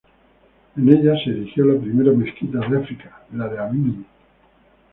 En ella se erigió la primera mezquita de África: la de Amr.